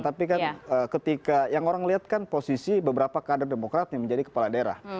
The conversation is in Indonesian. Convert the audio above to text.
tapi kan ketika yang orang lihat kan posisi beberapa kader demokrat yang menjadi kepala daerah